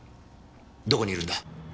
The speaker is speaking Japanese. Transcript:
どこにいるんだ？